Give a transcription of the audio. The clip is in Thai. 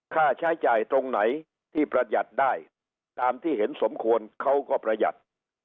ค่าใช้จ่ายตรงไหนที่ประหยัดได้ตามที่เห็นสมควรเขาก็ประหยัด